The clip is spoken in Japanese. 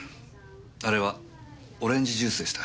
あれはオレンジジュースでした。